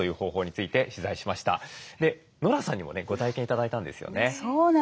ノラさんにもねご体験頂いたんですよね。